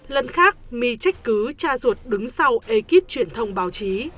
lần khác my check cứ cha ruột đứng sau ekip truyền thông báo chí